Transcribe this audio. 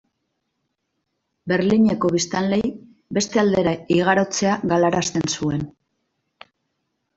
Berlineko biztanleei beste aldera igarotzea galarazten zuen.